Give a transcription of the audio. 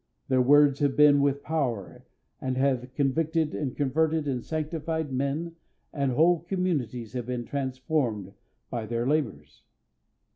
Their words have been with power, and have convicted and converted and sanctified men, and whole communities have been transformed by their labours.